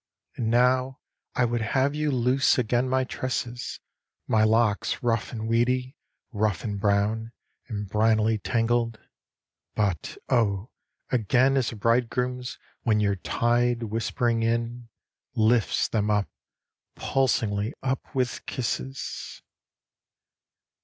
And now I would have you loose again my tresses, My locks rough and weedy, rough and brown and brinily tangled, But, oh, again as a bridegroom's, when your tide, whispering in, Lifts them up, pulsingly up with kisses!